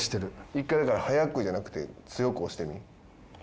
一回だから早くじゃなくて強く押してみ。